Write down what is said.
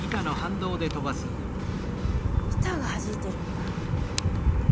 板がはじいてるんだ。